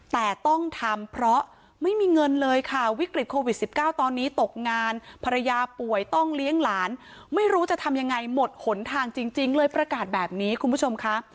แต่ต้องทำเพราะไม่มีเงินเลยค่ะวิกฤตโควิด๑๙ตอนนี้ตกงานภรรยาป่วยต้องเลี้ยงหลานไม่รู้จะทำยังไงหมดหนทางจริงเลยประกาศแบบนี้คุณผู้ชมค่ะ